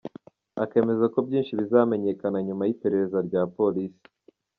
Akemeza ko byinshi bizamenyekana nyuma y’iperereza rya Police.